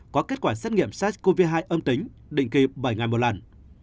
có kết quả xét nghiệm sars cov hai âm tính định kỳ bảy ngày một lần